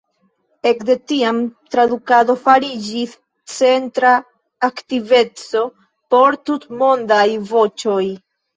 Ekde tiam tradukado fariĝis centra aktiveco por Tutmondaj Voĉoj.